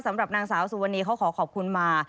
สำหรับนางสาวสุวรรณีเขาขอขอบคุณมา